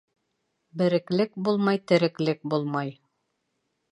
Береклек булмай тереклек булмай.